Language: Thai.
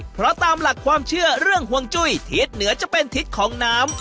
เพราะตามหลักความเชื่อเรื่องห่วงจุ้ยทิศเหนือจะเป็นทิศของน้ำ